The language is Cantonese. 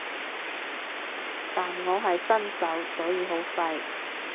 但我係新手所以好廢